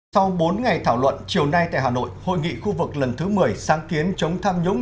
sau bốn ngày thảo luận chiều nay tại hà nội hội nghị khu vực lần thứ một mươi sáng kiến chống tham nhũng